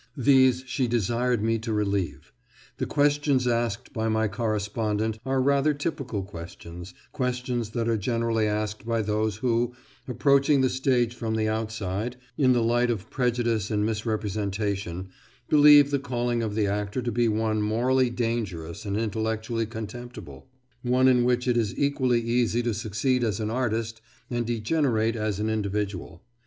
These she desired me to relieve. The questions asked by my correspondent are rather typical questions questions that are generally asked by those who, approaching the stage from the outside, in the light of prejudice and misrepresentation, believe the calling of the actor to be one morally dangerous and intellectually contemptible; one in which it is equally easy to succeed as an artist and degenerate as an individual.